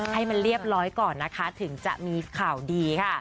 ให้มันเรียบร้อยก่อนนะคะถึงจะมีข่าวดีค่ะ